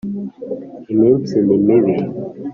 Iminsi ni mibi